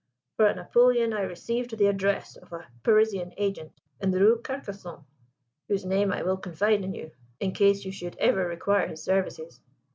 For a napoleon I received the address of a Parisian agent in the Rue Carcassonne, whose name I will confide in you, in case you should ever require his services.